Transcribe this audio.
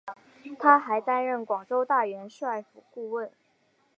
他还担任广州大元帅府顾问。